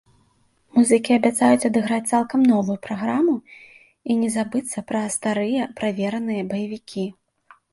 Музыкі абяцаюць адыграць цалкам новую праграму і не забыцца пра старыя правераныя баевікі.